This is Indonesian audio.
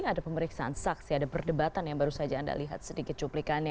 ada pemeriksaan saksi ada perdebatan yang baru saja anda lihat sedikit cuplikannya